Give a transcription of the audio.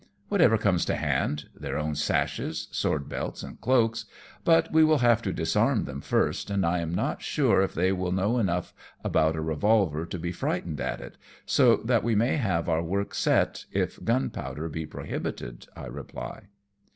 " Whatever comes to hand ; their own sashes, sword belts and cloaks ; but we will have to disarm them first, and I am not sure if they will know enough about a revolver to be frightened at it, so that we may have our work set, if gunpowder be prohibited," I reply.